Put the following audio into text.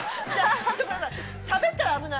所さんしゃべったら危ない。